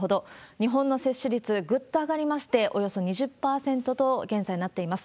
日本の接種率、ぐっと上がりまして、およそ２０％と現在なっています。